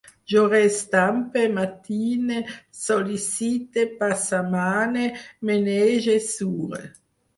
Jo reestampe, matine, sol·licite, passamane, menege, sure